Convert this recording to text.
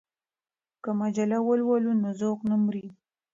که مجله ولولو نو ذوق نه مري.